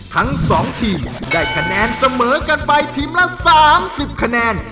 ทั้ง๒ทีมได้คะแนนเสมอกันไปทีมละ๓๐คะแนน